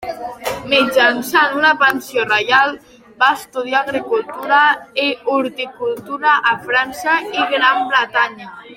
Mitjançant una pensió reial va estudiar agricultura i horticultura a França i Gran Bretanya.